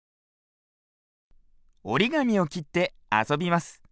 おりがみをきってあそびます。